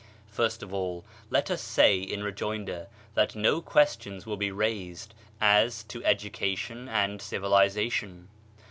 First of all, let us say in re joinder that no questions will be raised as to edu cation and civilization.